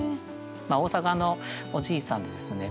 大阪のおじいさんでですね